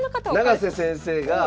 永瀬先生が。